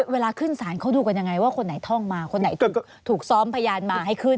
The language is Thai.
เวลาขึ้นศาลเขาดูกันยังไงว่าคนไหนท่องมาคนไหนถูกซ้อมพยานมาให้ขึ้น